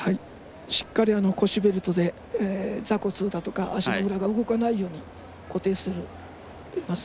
しっかり腰ベルトで座骨とか足の裏が動かないように固定しています。